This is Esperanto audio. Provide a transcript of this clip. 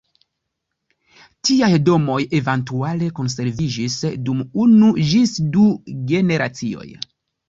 Tiaj domoj eventuale konserviĝis dum unu ĝis du generacioj.